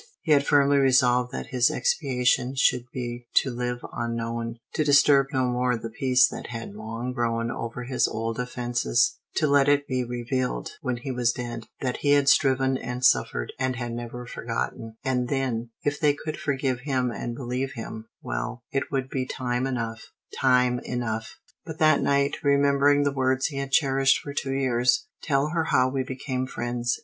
He had firmly resolved that his expiation should be to live unknown; to disturb no more the peace that had long grown over his old offences; to let it be revealed, when he was dead, that he had striven and suffered, and had never forgotten; and then, if they could forgive him and believe him well, it would be time enough time enough! But that night, remembering the words he had cherished for two years, "Tell her how we became friends.